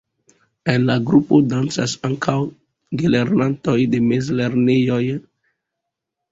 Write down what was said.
En la grupo dancas ankaŭ gelernantoj de mezlernejoj.